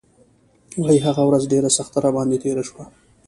وايي هغه ورځ ډېره سخته راباندې تېره شوه.